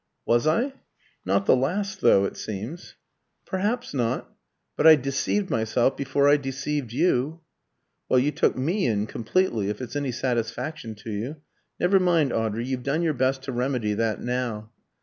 "Was I? Not the last though, it seems." "Perhaps not. But I deceived myself before I deceived you." "Well, you took me in completely, if it's any satisfaction to you. Never mind, Audrey; you've done your best to remedy that now."